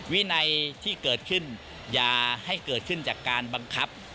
วินัยที่เกิดขึ้นอย่าให้เกิดขึ้นจากการบังคับ